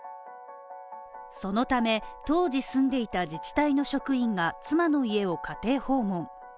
そのため当時住んでいた自治体の職員が妻の家を家庭訪問。